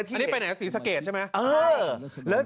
อันนี้เป็นไหนสีสะเกจใช่ไหม